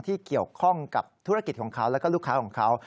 ที่เกี่ยวข้องกับธุรกิจของเขาแล้วก็ลูกค้าของเขา